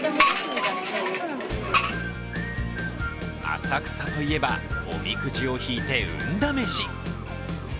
浅草といえば、おみくじを引いて運試し。